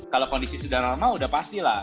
kalau kondisi sudah ramah sudah pasti lah